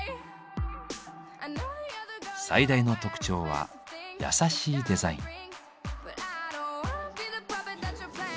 最大の特徴は優しいデザイン。